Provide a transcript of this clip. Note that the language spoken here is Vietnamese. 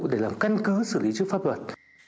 để làm căn cứ xử lý trước pháp luật